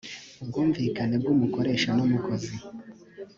ubwumvikane bw’umukoresha n’umukozi